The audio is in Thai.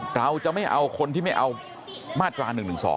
เราจะไม่เอาคนที่ไม่เอามาตรา๑๑๒